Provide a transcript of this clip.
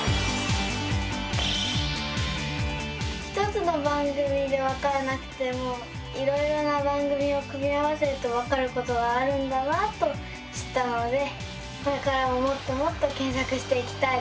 １つの番組でわからなくてもいろいろな番組を組み合わせるとわかることがあるんだなと知ったのでこれからももっともっと検索していきたいです。